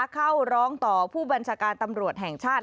เข้าร้องต่อผู้บัญชาการตำรวจแห่งชาติ